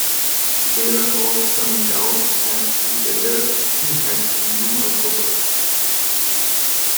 There was some doubt as to whether he had consumed alcohol.